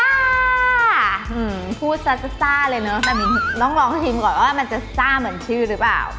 พูดซ่าเลยเนอะแต่มินต้องลองชิมก่อนว่ามันจะซ่าเหมือนชื่อหรือเปล่า